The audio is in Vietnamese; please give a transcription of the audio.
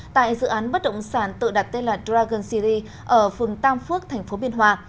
tại dự án bất động sản tự đặt tên là dragon city ở phường tam phước tp biên hòa